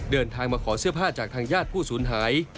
เดินทางมาขอเสื้อผ้าจากทางญาติผู้สูญหาย